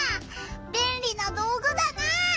べんりな道ぐだな！